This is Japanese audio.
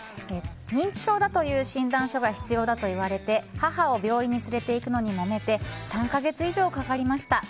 認知症だという診断書が必要だといわれて母を病院に連れていくのにもめて３か月以上かかりました。